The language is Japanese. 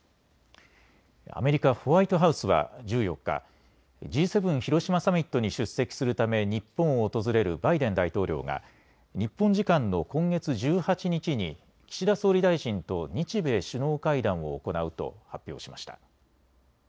アメリカ・ホワイトハウスは１４日、Ｇ７広島サミットに出席するため日本を訪れるバイデン大統領が日本時間の今月１８日に岸田総理大臣と日米首脳会談を行うと発表しました。